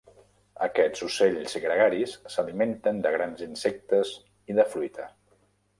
Aquests ocells gregaris s'alimenten de grans insectes i de fruita.